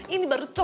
ini baru tersenyum